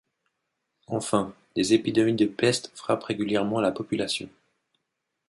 Enfin, des épidémies de peste frappent régulièrement la population.